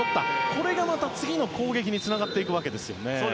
これがまた、次の攻撃につながるわけですね。